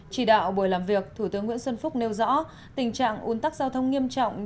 chỉ đạo buổi làm việc thủ tướng nguyễn xuân phúc nêu rõ tình trạng un tắc giao thông nghiêm trọng